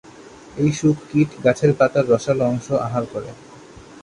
এই শূককীট গাছের পাতার রসালো অংশ আহার করে।